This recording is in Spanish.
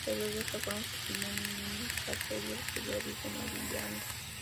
Alrededor de esta se formó un caserío que dio origen a Villa Ana.